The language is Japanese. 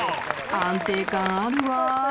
安定感あるわ。